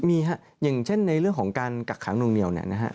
มีฮะอย่างเช่นในเรื่องของการกักขังนวงเหนียวเนี่ยนะฮะ